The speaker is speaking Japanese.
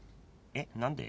えっ何で？